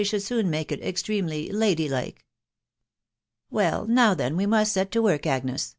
should soon make it extremely lady like." " Well, now then we must set to work, Agnes